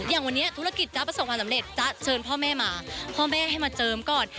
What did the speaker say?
อย่างวันนี้ธุรกิจจ๊ะประสบความสำเร็จจ๊ะเชิญพ่อแม่มาพ่อแม่ให้มาเจิมก่อน